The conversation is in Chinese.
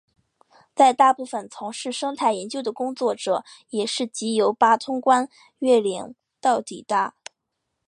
在大分从事生态研究的工作者也是藉由八通关越岭道抵达。